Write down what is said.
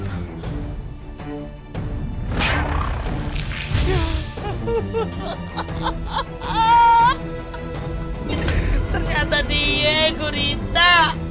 ternyata dia gurita